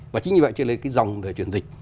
và chính như vậy truyền lên cái dòng về truyền dịch